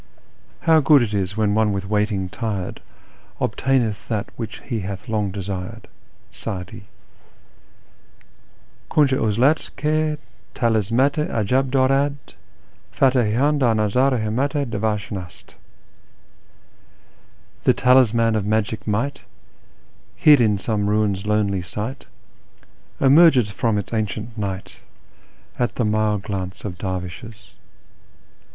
" How good it is when one with waiting tired Obtaiueth that which he hath long desired !" {Sa'di.) " Kunj i 'uzlat, ki tilismdt i ' ajaih ddrad, Fat h i dn dar nazar i ldmmat i darvisluln ast. "" The talisman of magic might, hid in some ruin's lonely site, Emerges from its ancient night at the mild glance of dervishes."